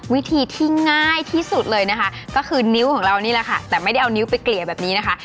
วิธีที่ง่ายที่สุดเลยนะคะก็คือนิ้วของเรานี่แหละค่ะแต่ไม่ได้เอานิ้วไปเกลี่ยแบบนี้นะคะ